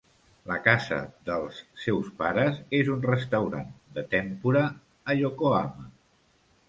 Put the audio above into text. La casa dels seus pares és un restaurant de tempura a Yokohama.